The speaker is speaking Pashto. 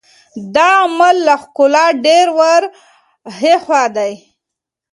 دا عمل له ښکلا ډېر ور هاخوا دی.